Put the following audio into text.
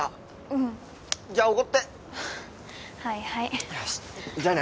うんじゃおごってはいはいよしっじゃあね